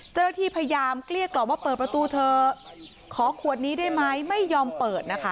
เจ้าหน้าที่พยายามเกลี้ยกล่อมว่าเปิดประตูเถอะขอขวดนี้ได้ไหมไม่ยอมเปิดนะคะ